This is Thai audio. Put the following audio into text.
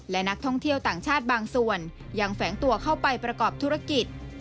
และนักท่องเที่ยวต่างชาติบางส่วนยังแฝงตัวเข้าไปประกอบธุรกิจ